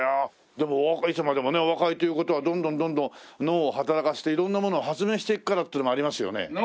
でもいつまでもねお若いという事はどんどんどんどん脳を働かせて色んなものを発明していくからっていうのもありますよね。